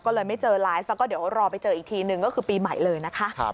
ก็เลยไม่เจอไลฟ์แล้วก็เดี๋ยวรอไปเจออีกทีหนึ่งก็คือปีใหม่เลยนะคะ